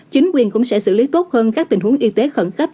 chính quyền cũng sẽ xử lý tốt hơn các tình huống y tế khẩn cấp